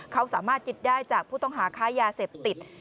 เขาสามารถยึดได้จากผู้ต้องหาค้ายาเสพติด